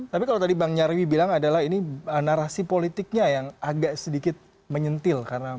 tapi kalau tadi bang nyarwi bilang adalah ini narasi politiknya yang agak sedikit menyentil